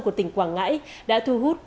của tỉnh quảng ngãi đã thu hút